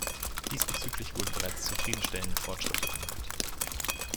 Diesbezüglich wurden bereits zufriedenstellende Fortschritte gemacht.